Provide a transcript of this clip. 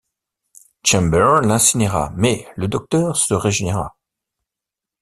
Chamber l'incinéra mais le docteur se régénéra.